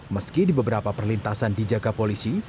meski di beberapa perlintasan dijaga polisi